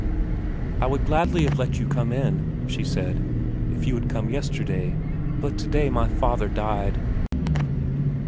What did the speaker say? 10 VERA i ' I would gladly have let you come in,' she said, ' if you had come yesterday, but to day my father died.'